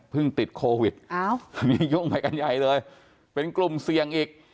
เพิ่งติดโควิดอ้าวมียุ่งใหม่กันใหญ่เลยเป็นกลุ่มเสี่ยงอีก